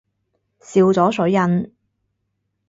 笑咗水印